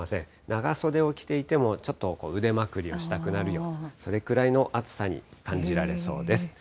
長袖を着ていても、ちょっと腕まくりをしたくなるような、それくらいの暑さに感じられそうです。